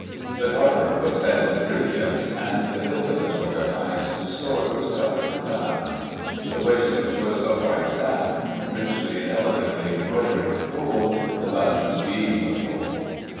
The Garter was set in brilliants, and the hilt of His Royal Highnesses sword wasi covered with diamonds. The waistcoat was of white satin, richly and elegantly embroidered with gold, the buttons being of gold.